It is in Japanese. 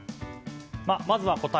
まずは答え